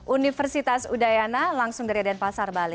universitas udayana langsung dari denpasar bali